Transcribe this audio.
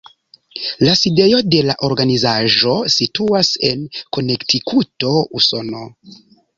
La sidejo de la organizaĵo situas en Konektikuto, Usono.